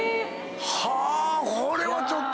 はぁこれはちょっと。